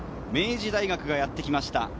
明治大学がやってきました。